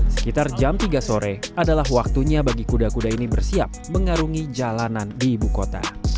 sekitar jam tiga sore adalah waktunya bagi kuda kuda ini bersiap mengarungi jalanan di ibu kota